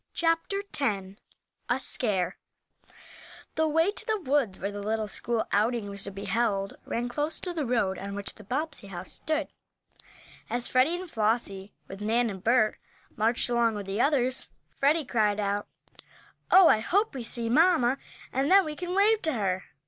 CHAPTER X A SCARE THE way to the woods where the little school outing was to be held ran close to the road on which the Bobbsey house stood. As Freddie and Flossie, with Nan and Bert, marched along with the others, Freddie cried out: "Oh, I hope we see mamma, and then we can wave to her."